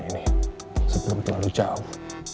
ini sebelum terlalu jauh